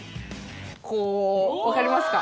こう分かりますか？